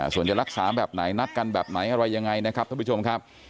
ส่วนจะรักษาแบบไหนนัดกันแบบไหนอะไรยังไงนะครับท่านผู้ชมครับ